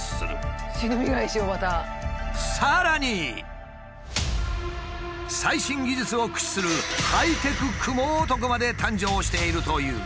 さらに最新技術を駆使するハイテククモ男まで誕生しているという。